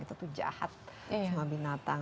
itu tuh jahat cuma binatang